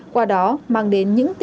qua đó mang đến những kết quả